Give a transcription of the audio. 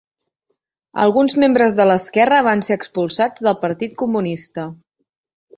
Alguns membres de l'esquerra van ser expulsats del Partit Comunista.